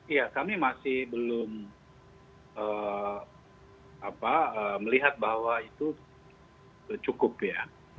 iya kami masih belum melihat bahwa itu cukup ya